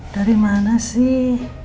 dari mana sih